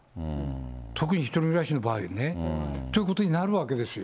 特に１人暮らしの場合ね。ということになるわけですよ。